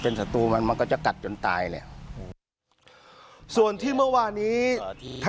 เป็นศัตรูมันมันก็จะกัดจนตายแหละส่วนที่เมื่อวานี้ถ้า